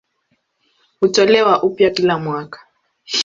Hutolewa upya kila mwaka.